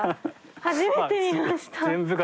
初めて見ました。